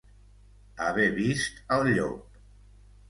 Haver vist al llop.